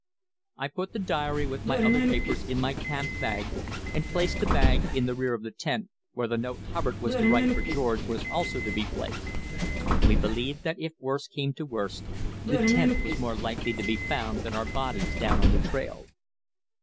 I put the diary with my other papers in my camp bag, and placed the bag in the rear of the tent, where the note Hubbard was to write for George was also to be placed; we believed that if worst came to worst the tent was more likely to be found than our bodies down on the trail.